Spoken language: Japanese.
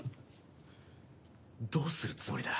どうするつもりだ？